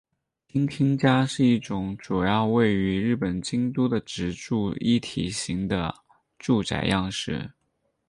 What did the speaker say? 京町家是一种主要位于日本京都的职住一体型的住宅样式。